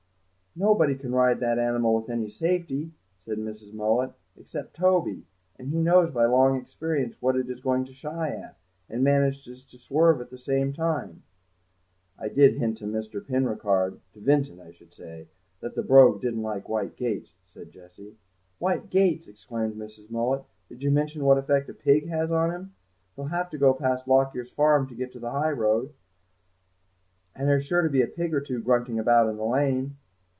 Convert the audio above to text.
"Nobody can ride that animal with any safety," said Mrs. Mullet, "except Toby, and he knows by long experience what it is going to shy at, and manages to swerve at the same time." "I did hint to Mr. Penricarde—to Vincent, I should say—that the Brogue didn't like white gates," said Jessie. "White gates!" exclaimed Mrs. Mullet; "did you mention what effect a pig has on him? He'll have to go past Lockyer's farm to get to the high road, and there's sure to be a pig or two grunting about in the lane."